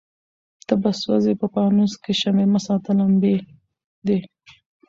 ته به سوځې په پانوس کي شمعي مه ساته لمبې دي